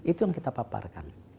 itu yang kita paparkan